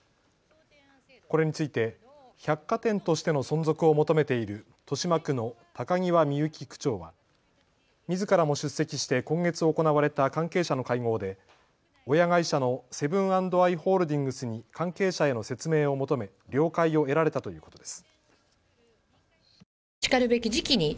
これについて百貨店としての存続を求めている豊島区の高際みゆき区長はみずからも出席して今月行われた関係者の会合で親会社のセブン＆アイ・ホールディングスに関係者への説明を求め了解を得られたということです。